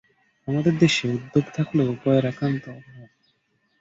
আমাদের দেশে উদ্যোগ থাকলেও উপায়ের একান্ত অভাব।